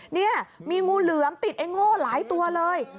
นี่มีงูเหลือมติดไอ้โง่หลายตัวเลย